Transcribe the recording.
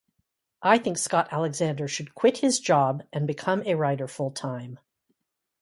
I think Scott Alexander should quit his job and become a writer full-time.